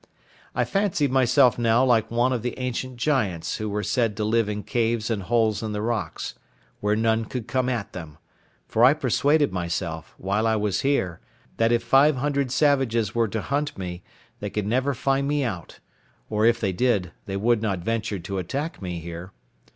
I fancied myself now like one of the ancient giants who were said to live in caves and holes in the rocks, where none could come at them; for I persuaded myself, while I was here, that if five hundred savages were to hunt me, they could never find me out—or if they did, they would not venture to attack me here.